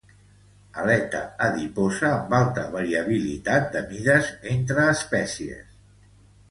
Aleta adiposa amb alta variabilitat de mides entre espècies.